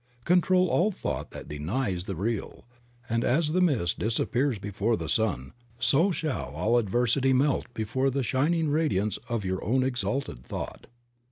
Control all thought that denies the real, and as the mist disappears before the sun so shall all adversity melt before the shining radiance of your own exalted thought.